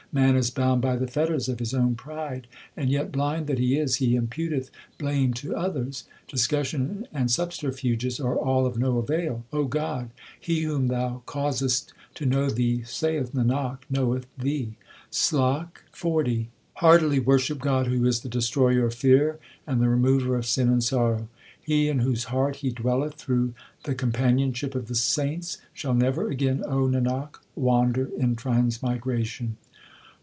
Man is bound by the fetters of his own pride, And yet, blind that he is, he imputeth blame to others. Discussion and subterfuges are all of no avail. God, he whom Thou causest to know Thee, saith Nanak, knoweth Thee. SLOK XL Heartily worship God who is the destroyer of fear and the remover of sin and sorrow ; He in whose heart He dwelleth through the companion ship of the saints shall never again, O Nanak, wander in transmigration.